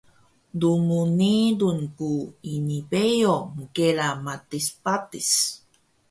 Lmngelung ku ini beyo mkela matis patis